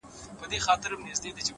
پوهه د انسان ارزښت لا لوړوي.!